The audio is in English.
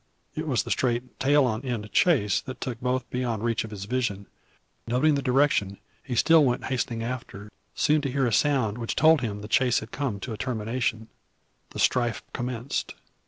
It was the straight tail on end chase that took both beyond reach of his vision. Noting the direction, he still went hastening after, soon to hear a sound which told him the chase had come to a termination, and strife commenced.